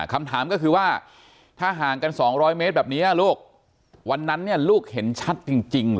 คำถามก็คือว่าถ้าห่างกัน๒๐๐เมตรแบบนี้ลูกวันนั้นเนี่ยลูกเห็นชัดจริง